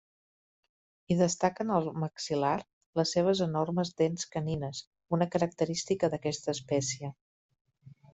Hi destaquen al maxil·lar les seves enormes dents canines, una característica d'aquesta espècie.